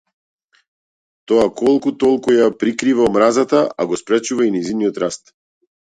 Тоа колку толку ја прикрива омразата, а го спречува и нејзиниот раст.